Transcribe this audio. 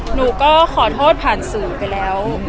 หนูก็ขอโทษผ่านสื่อไปแล้ว